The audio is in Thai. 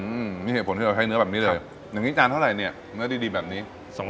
อืมมีเหตุผลที่เราใช้เนื้อแบบนี้เลยอย่างนี้จานเท่าไหร่เนี้ยเนื้อดีดีแบบนี้สอง